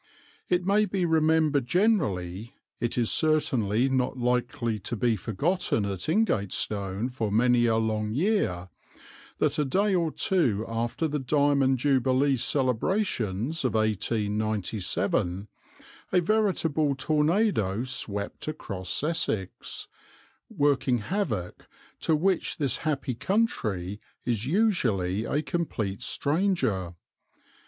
It may be remembered generally, it is certainly not likely to be forgotten at Ingatestone for many a long year, that a day or two after the Diamond Jubilee celebrations of 1897 a veritable tornado swept across Essex, working havoc to which this happy country is usually a complete stranger.